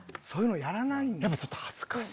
やっぱちょっと恥ずかしい。